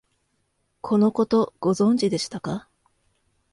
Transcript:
このこと、ご存知でしたか？